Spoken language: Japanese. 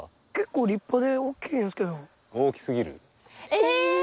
え！